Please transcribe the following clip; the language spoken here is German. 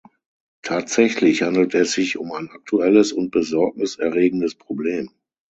Tatsächlich handelt es sich um ein aktuelles und besorgniserregendes Problem.